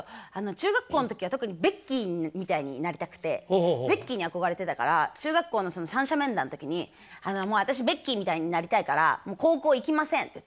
中学校の時は特にベッキーみたいになりたくてベッキーに憧れてたから中学校の三者面談の時に「私ベッキーみたいになりたいから高校行きません」って言って。